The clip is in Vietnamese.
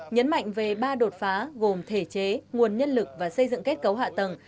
nhấn mạnh về ba đột phá gồm thể chế nguồn nhân lực và xây dựng kết cấu hạ tầng